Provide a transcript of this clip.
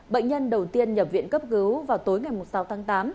bệnh nhân đầu tiên nhập viện cấp cứu vào tối ngày sáu tháng tám